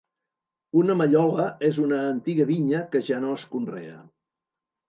Una mallola és una antiga vinya, que ja no es conrea.